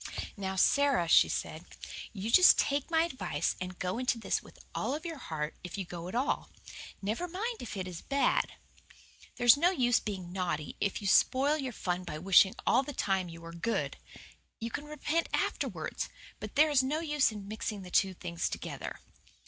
"Now, Sara," she said, "you just take my advice and go into this with all your heart if you go at all. Never mind if it is bad. There's no use being naughty if you spoil your fun by wishing all the time you were good. You can repent afterwards, but there is no use in mixing the two things together."